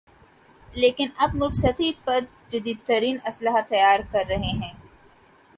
لیکن اب ملک سطحی پر جدیدترین اسلحہ تیار کررہے ہیں